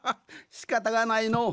しかたがないのう。